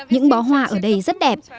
những bó hoa ở đây rất đẹp